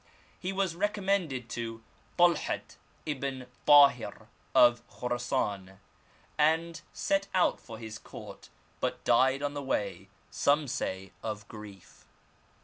He was recommended to Talhat ibn Tahir, of Khorasan, and set out for his court, but died on the way, some say of grief.